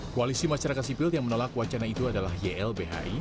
koalisi masyarakat sipil yang menolak wacana itu adalah ylbhi